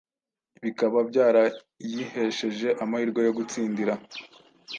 bikaba byarayihesheje amahirwe yo gutsindira